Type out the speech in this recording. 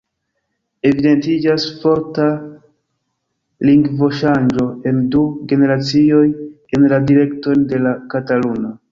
Evidentiĝas forta lingvoŝanĝo en du generacioj en la direkton de la kataluna.